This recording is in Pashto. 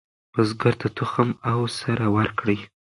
بزګر ته تخم او سره ورکړئ.